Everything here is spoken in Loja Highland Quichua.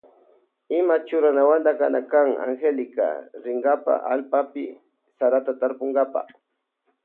Ima churanawanta kana Angélica rinkapa allpapi sarata tarpunkapa.